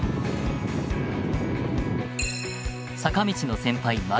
坂道の先輩巻